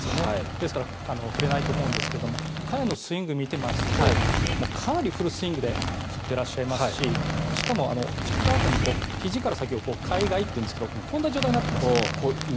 ですから振れないと思うんですが彼のスイングを見てますとかなりフルスイングで振ってらっしゃいますししかも、振ったあとにひじから先を開外というんですがこんな状態になってますよね。